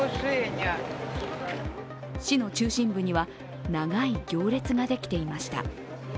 市の中心部には長い行列ができていました。